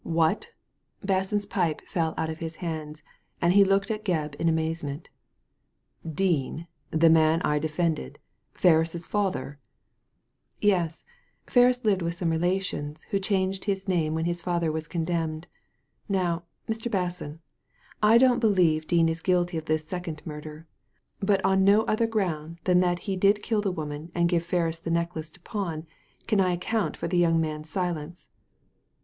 *'" What I " Basson's pipe fell out of his hands, and he looked at Gebb in amazement ^' Dean, the man I defended, Ferris's father ?"" Yes, Ferris lived with some relations, who changed his name when his father was condemned. Now, Mr. Basson, I don't believe Dean is guilty of this second murder ; but on no other ground than that he did kill the woman, and gave Ferris the necklace to pawn, can I account for the young man's silence."